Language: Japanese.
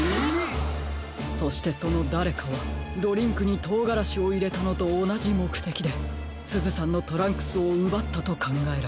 そしてそのだれかはドリンクにとうがらしをいれたのとおなじもくてきですずさんのトランクスをうばったとかんがえられます。